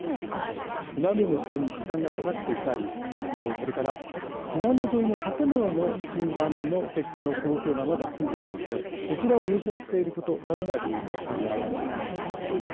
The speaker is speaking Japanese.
避難路の指定に時間がかかっていたり避難路沿いの建物の診断の結果の公表がまだ進んでいなくてそちらを優先していることなどが理由と考えられます。